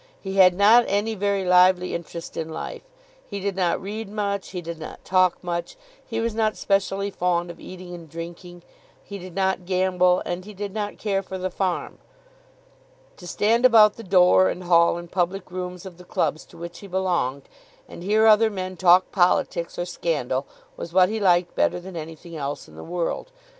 He had not any very lively interest in life. He did not read much; he did not talk much; he was not specially fond of eating and drinking; he did not gamble, and he did not care for the farm. To stand about the door and hall and public rooms of the clubs to which he belonged and hear other men talk politics or scandal, was what he liked better than anything else in the world.